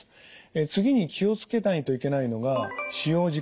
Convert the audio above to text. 次に気を付けないといけないのが使用時間ですね。